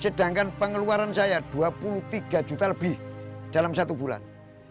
sedangkan pengeluaran saya dua puluh tiga juta lebih dalam satu bulan